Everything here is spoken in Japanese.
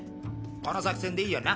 この作戦でいいよな？